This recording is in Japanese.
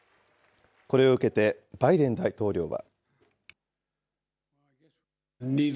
これを受けてバイデン大統領は。